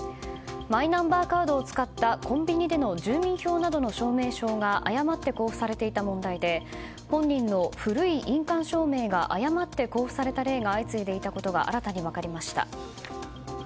マイナンバーカードを使ったコンビニでの住民票などの証明書が誤って公布されていた問題で本人の古い印鑑証明が誤って交付された例が相次いでいたことが新たに分かりました。